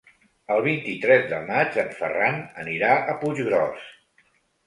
El vint-i-tres de maig en Ferran anirà a Puiggròs.